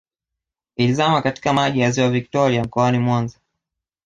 Ilizama katika maji ya ziwa Victoria mkoani Mwanza